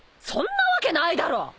そんなわけないだろ！